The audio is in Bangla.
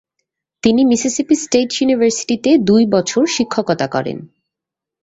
তিনি মিসিসিপি স্টেট ইউনিভার্সিটিতে দুই বছর শিক্ষকতা করেন।